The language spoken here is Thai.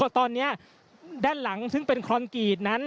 ตอนนี้ด้านหลังซึ่งเป็นคอนกรีตนั้น